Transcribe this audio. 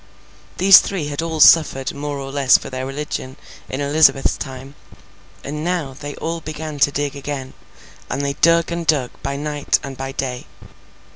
These three had all suffered more or less for their religion in Elizabeth's time. And now, they all began to dig again, and they dug and dug by night and by day.